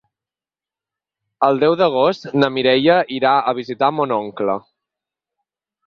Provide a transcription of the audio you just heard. El deu d'agost na Mireia irà a visitar mon oncle.